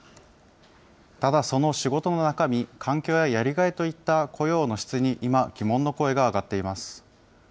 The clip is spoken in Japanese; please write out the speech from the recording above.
ただ、その仕事の中身、環境ややりがいといった雇用の質に今、疑問の声が上がっています。